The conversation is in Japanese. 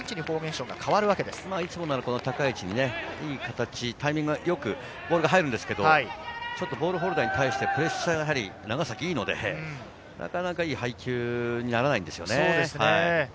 いつもなら高い位置にタイミングよくボールが入るんですけれど、プレッシャーが長崎はいいので、なかなかいい配球にならないんですよね。